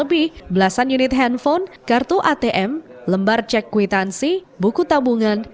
lebih belasan unit handphone kartu atm lembar cek kwitansi buku tabungan